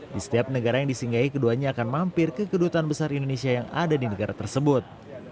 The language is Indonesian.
di setiap negara yang disinggahi keduanya akan mampir ke kedutaan besar indonesia yang ada di negara tersebut